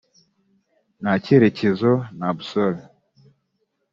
nta cyerekezo nta “boussole”